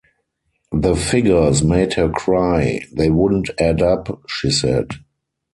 The figures made her cry. They wouldn't add up, she said.